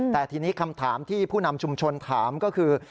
แต่ทีนี้คำถามที่ผู้นำชุมชนถามก็คือ